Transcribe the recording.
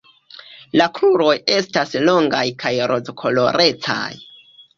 La kruroj estas longaj kaj rozkolorecaj.